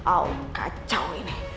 auk kacau ini